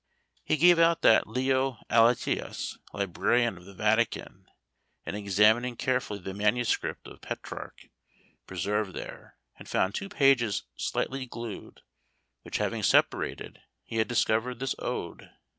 He gave out that Leo Allatius, librarian of the Vatican, in examining carefully the MSS. of Petrarch preserved there, had found two pages slightly glued, which having separated, he had discovered this ode.